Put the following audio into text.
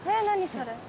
それ。